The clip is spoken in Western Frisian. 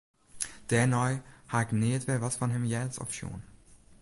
Dêrnei ha ik nea wer wat fan him heard of sjoen.